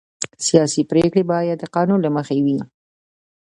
سیاسي پرېکړې باید د قانون له مخې وي